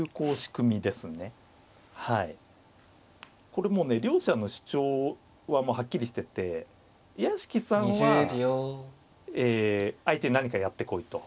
これもうね両者の主張ははっきりしてて屋敷さんは相手に何かやってこいと。